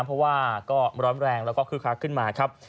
เพราะว่าก็ร้อนแรงแล้วก็คึกคักขึ้นมาครับ